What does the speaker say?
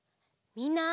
みんな。